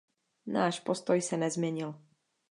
Náš postoj se nezměnil.